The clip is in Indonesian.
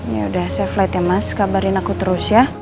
yaudah safe flight ya mas kabarin aku terus ya